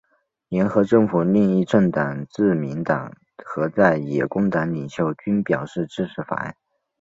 联合政府另一政党自民党和在野工党领袖均表示支持法案。